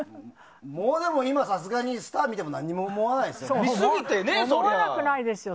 もう、さすがにスター見ても何も思わないでしょ。